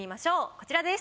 こちらです。